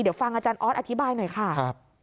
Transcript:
เดี๋ยวฟังอาจารย์ออสอธิบายหน่อยค่ะ